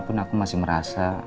pun aku masih merasa